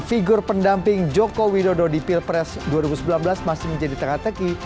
figur pendamping joko widodo di pilpres dua ribu sembilan belas masih menjadi teka teki